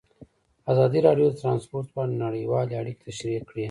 ازادي راډیو د ترانسپورټ په اړه نړیوالې اړیکې تشریح کړي.